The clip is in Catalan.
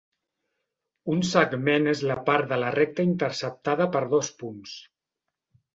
Un segment és la part de la recta interceptada per dos punts.